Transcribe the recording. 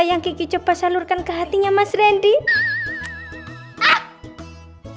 yang kiki coba salurkan ke hatinya mas randy